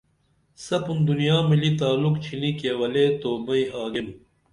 سپُن دنیا ملی تعلُق چِھنی کیولے تو بئیں آگیم